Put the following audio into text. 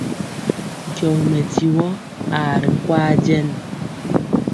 Nkyɔgi mɛdivɔ aa ri nkwaaŋ jɛn.